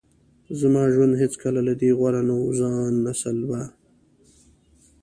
زما ژوند هیڅکله له دې غوره نه و. ځوان نسل په